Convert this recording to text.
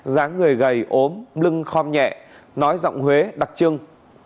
dáng người gầy ốm lưng khom nhẹ nói giọng huế đặc trưng